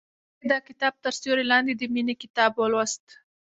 هغې د کتاب تر سیوري لاندې د مینې کتاب ولوست.